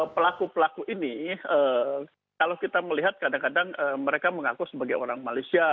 pelaku pelaku ini kalau kita melihat kadang kadang mereka mengaku sebagai orang malaysia